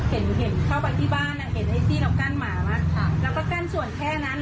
เห็นเห็นเข้าไปที่บ้านอ่ะเห็นไอ้ซี่เรากั้นหมาแล้วค่ะแล้วก็กั้นส่วนแค่นั้น